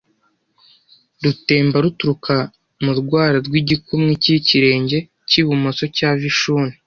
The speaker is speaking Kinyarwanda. Rutemba ruturuka mu rwara rw’igikumwe cy’ikirenge cy’ibumoso cya Vishinu